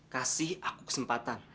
kasih aku kesempatan